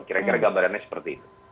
kira kira gambarannya seperti itu